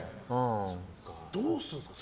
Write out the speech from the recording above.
どうするんですか？